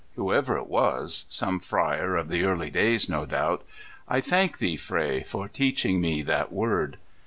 Whoever it was — some friar of the early days, no doubt — "I thank thee. Fray, for teadiing me that word."